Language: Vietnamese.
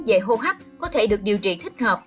về hô hấp có thể được điều trị thích hợp